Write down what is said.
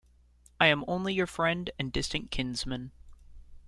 I am only your friend and distant kinsman.